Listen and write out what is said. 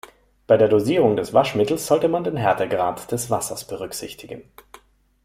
Bei der Dosierung des Waschmittels sollte man den Härtegrad des Wassers berücksichtigen.